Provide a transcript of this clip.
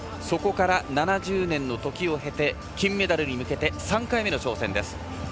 そこから７０年のときを経て金メダルに向けて３回目の挑戦。